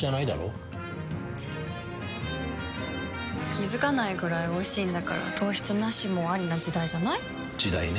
気付かないくらいおいしいんだから糖質ナシもアリな時代じゃない？時代ね。